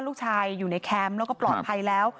ลูกชายอยู่ในแคมป์แล้วก็ปลอดภัยแล้ว